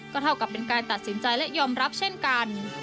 เท่ากับเป็นการตัดสินใจและยอมรับเช่นกัน